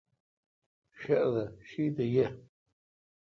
شردہ شیتھ یے۔